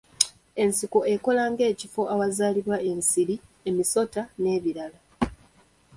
Ensiko ekola ng'ekifo awazaalirwa ensiri, emisota, n'ebirala.